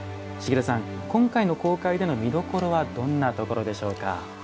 今回の公開での見どころはどんなところでしょうか。